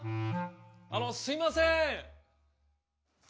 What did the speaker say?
あのすいません。